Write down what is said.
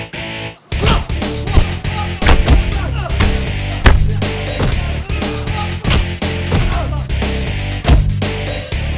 daripada gabung sama lo